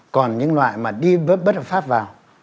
còn những loại mà đi bất hợp pháp vào